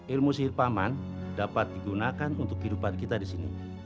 ilmu sihir paman dapat digunakan untuk kehidupan kita disini